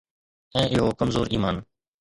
۽ اهو ڪمزور ايمان.